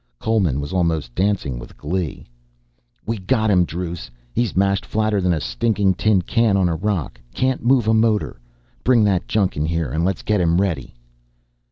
Coleman was almost dancing with glee. "We got him, Druce, he's mashed flatter than a stinking tin can on a rock, can't move a motor. Bring that junk in here and let's get him ready."